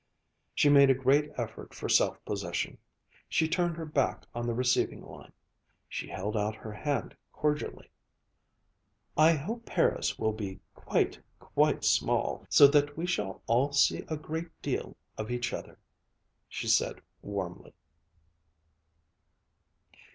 She made a great effort for self possession. She turned her back on the receiving line. She held out her hand cordially. "I hope Paris will be quite, quite small, so that we shall all see a great deal of each other," she said warmly.